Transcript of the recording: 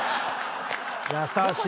優しい。